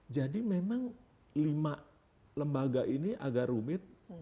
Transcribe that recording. jadi memang lima lembaga ini agak rumit